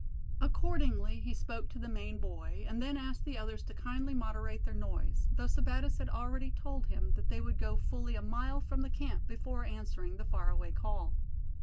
Accordingly, he spoke to the Maine boy, and then asked the others to kindly moderate their noise; though Sebattis had already told him that they would go fully a mile from the camp before answering the far away call.